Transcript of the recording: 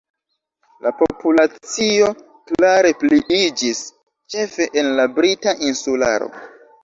La populacio klare pliiĝis ĉefe en la Brita Insularo.